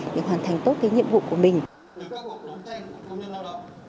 để hoàn thành tốt cái nhiệm vụ của mình